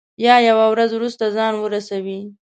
یا یوه ورځ وروسته ځان ورسوي.